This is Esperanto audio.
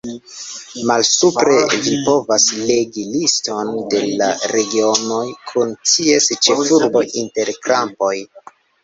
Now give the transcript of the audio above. Malsupre vi povas legi liston de la regionoj, kun ties ĉefurbo inter krampoj.